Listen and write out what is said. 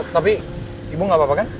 tapi ibu gak apa apa kan